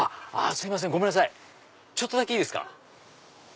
すいませんごめんなさいちょっとだけいいですか？